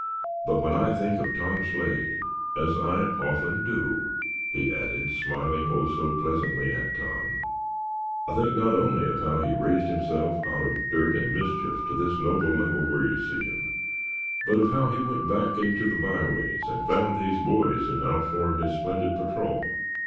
But when I think of Tom Slade—as I often do," he added, smiling, oh, so pleasantly, at Tom; "I think not only of how he raised himself out of dirt and mischief to this noble level where you see him, but of how he went back into the byways and found these boys who now form his splendid patrol.